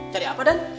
cari apa dan